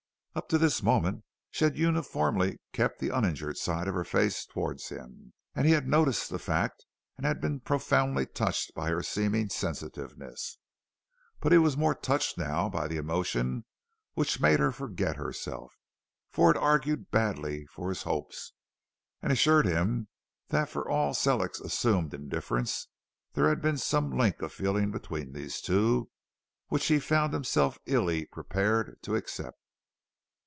Up to this moment she had uniformly kept the uninjured side of her face towards him, and he had noticed the fact and been profoundly touched by her seeming sensitiveness. But he was more touched now by the emotion which made her forget herself, for it argued badly for his hopes, and assured him that for all Sellick's assumed indifference, there had been some link of feeling between these two which he found himself illy prepared to accept.